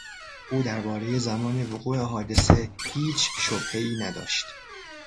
او دربارهی زمان وقوع حادثه هیچ شبههای نداشت.